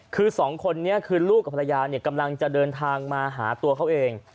คือสองคนนี้คือลูกกับภรรยากำลังจะเดินทางมาหาตัวเขาเอง